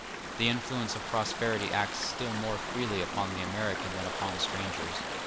The influence of prosperity acts still more freely upon the American than upon strangers.